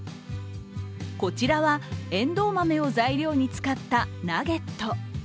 こちらはエンドウ豆を材料に使ったナゲット。